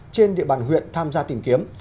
trên địa bàn huyện tham gia tìm kiếm